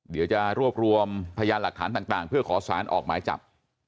เดี๋ยวจะรวบรวมพยานหลักฐานต่างเพื่อขอสารออกหมายจับ